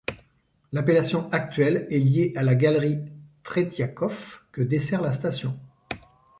L'appellation actuelle est liée à la galerie Tretiakov, que dessert la station.